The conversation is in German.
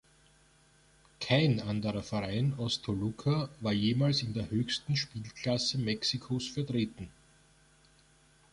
Kein anderer Verein aus Toluca war jemals in der höchsten Spielklasse Mexikos vertreten.